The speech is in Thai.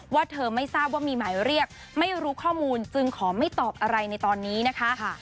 เธอไม่ทราบว่ามีหมายเรียกไม่รู้ข้อมูลจึงขอไม่ตอบอะไรในตอนนี้นะคะ